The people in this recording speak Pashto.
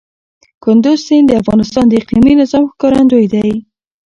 کندز سیند د افغانستان د اقلیمي نظام ښکارندوی دی.